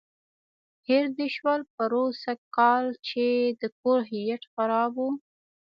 هېر دې شول پروسږ کال چې د کور هیټ خراب و.